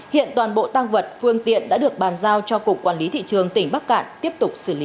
hiện toàn bộ tăng vật phương tiện đã được bàn giao cho cục quản lý thị trường tỉnh bắc cạn tiếp tục xử lý